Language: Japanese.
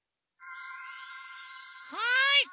はい！